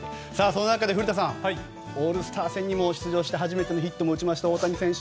そんな中で古田さんオールスター戦にも出場し初めてのヒットも打った大谷選手。